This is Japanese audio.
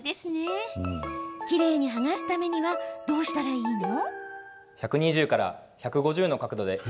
きれいに剥がすためにはどうしたらいいの？